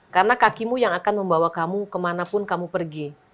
karena kakimu yang akan membawa kamu kemanapun kamu pergi